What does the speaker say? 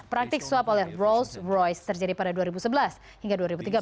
praktik swab oleh rolls royce terjadi pada dua ribu sebelas hingga dua ribu tiga belas